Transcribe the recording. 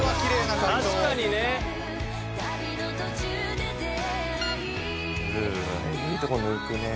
確かにね。いいとこ抜くね。